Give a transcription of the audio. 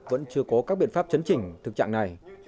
vẫn chưa có các biện pháp chấn chỉnh thực trạng này